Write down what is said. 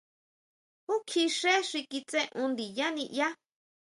¿Júkji xé xi kitseon ndiyá niʼyaá?